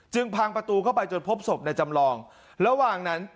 พังประตูเข้าไปจนพบศพในจำลองระหว่างนั้น